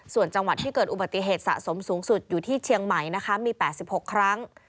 ส่วนจังหวัดที่เกิดอุบัติเหตุสะสมสูงสุดอยู่ที่เชียงใหม่นะคะมี๘๖ครั้ง